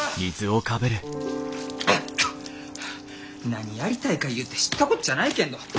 何やりたいかゆうて知ったこっちゃないけんど！